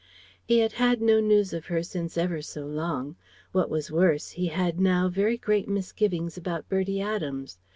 He had had no news of her since ever so long; what was worse, he had now very great misgivings about Bertie Adams.